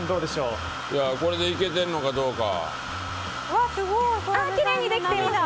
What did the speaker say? これでいけてるのかどうか。